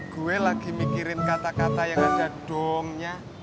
gue lagi mikirin kata kata yang ada dong nya